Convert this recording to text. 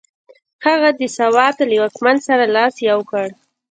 هغه د سوات له واکمن سره لاس یو کړ.